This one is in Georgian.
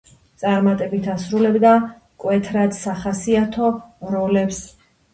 წარმატებით ასრულებდა მკვეთრად სახასიათო როლებს.